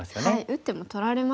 打っても取られますもんね。